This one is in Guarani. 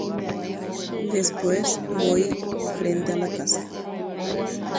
Upéi aha óga renonde gotyo.